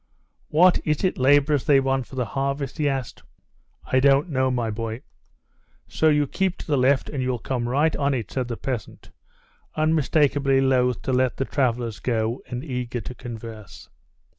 "What, is it laborers they want for the harvest?" he asked. "I don't know, my boy." "So you keep to the left, and you'll come right on it," said the peasant, unmistakably loth to let the travelers go, and eager to converse.